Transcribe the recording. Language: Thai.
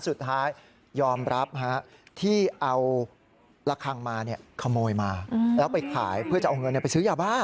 สุดท้ายยอมรับที่เอาละคังมาขโมยมาแล้วไปขายเพื่อจะเอาเงินไปซื้อยาบ้า